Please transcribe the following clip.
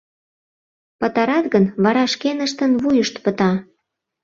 Пытарат гын, вара шкеныштын вуйышт пыта.